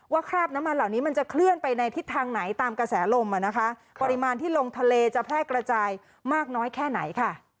คราบน้ำมันเหล่านี้มันจะเคลื่อนไปในทิศทางไหนตามกระแสลมปริมาณที่ลงทะเลจะแพร่กระจายมากน้อยแค่ไหนค่ะ